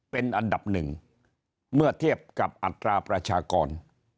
เป็นอันดับหนึ่งเมื่อเทียบกับอัตราประชากร